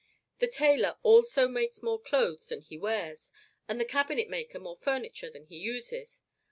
The tailor also makes more clothes than he wears, and the cabinet maker more furniture than he uses.